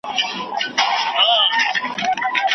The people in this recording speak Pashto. چي شعر له نثر څخه بېلوي